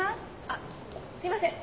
あっすいません